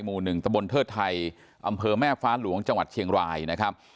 หมู่๑ตะบนเทิดไทยอำเภอแม่ฟ้าหลวงจังหวัดเชียงรายนะครับ